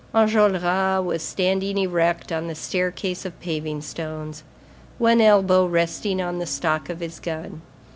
Enjolras was standing erect on the staircase of paving stones, one elbow resting on the stock of his gun.